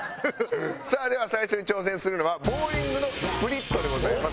さあでは最初に挑戦するのはボウリングのスプリットでございます。